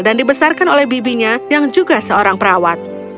dibesarkan oleh bibinya yang juga seorang perawat